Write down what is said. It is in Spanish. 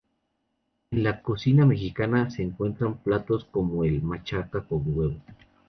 En la cocina mexicana se encuentran platos como el machaca con huevo.